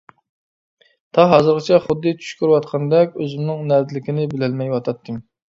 تا ھازىرغىچە، خۇددى چۈش كۆرۈۋاتقاندەك ئۆزۈمنىڭ نەدىلىكىنى بىلەلمەيۋاتاتتىم.